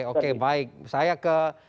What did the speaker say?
oke baik saya ke